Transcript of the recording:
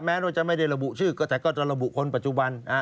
ว่าจะไม่ได้ระบุชื่อก็แต่ก็จะระบุคนปัจจุบัน